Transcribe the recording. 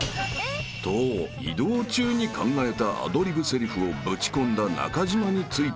［と移動中に考えたアドリブせりふをぶち込んだ中島についていくと］